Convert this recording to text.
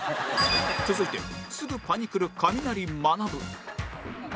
続いてすぐパニクるカミナリまなぶ